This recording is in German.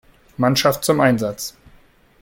Mannschaft zum Einsatz.